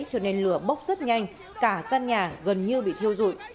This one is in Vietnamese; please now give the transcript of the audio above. cho nên lửa bốc rất nhanh cả căn nhà gần như bị thiêu dụi